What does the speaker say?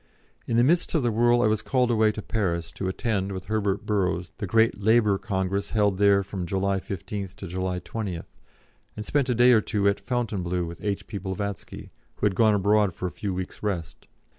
In the midst of the whirl I was called away to Paris to attend, with Herbert Burrows, the great Labour Congress held there from July 15th to July 20th, and spent a day or two at Fontainebleau with H.P. Blavatsky, who had gone abroad for a few weeks' rest.